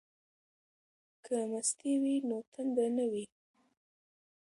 که مستې وي نو تنده نه وي.